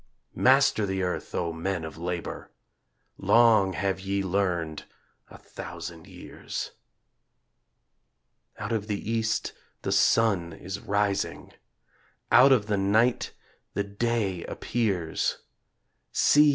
Master the earth, O men of labor; Long have ye learned a thousand years. Out of the East the sun is rising, Out of the night the day appears; See!